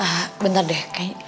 hahaha bentar deh